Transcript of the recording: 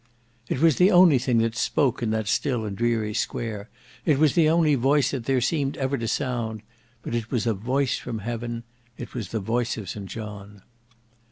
It was the only thing that spoke in that still and dreary square; it was the only voice that there seemed ever to sound; but it was a voice from heaven; it was the voice of St John.